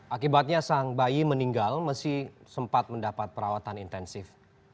akibatnya sang bayi meninggal meski sempat mendapat perawatan intensif